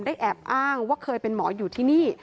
แอบอ้างว่าเคยเป็นหมออยู่ที่นี่